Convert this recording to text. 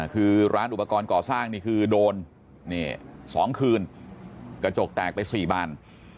คือร้านอุปกรณ์ก่อสร้างนี่คือโดน๒คืนกระจกแตกไป๔บาน